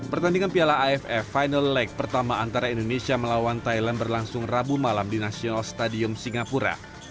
pertandingan piala aff final leg pertama antara indonesia melawan thailand berlangsung rabu malam di national stadium singapura